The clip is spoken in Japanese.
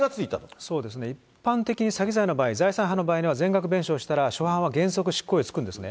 一般的には詐欺罪の場合、財産はの場合は、全額弁償したら、初犯は原則、執行猶予付くんですね。